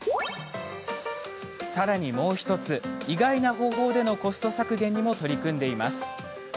さらに、もう１つ意外な方法でのコスト削減にも取り組んでいます。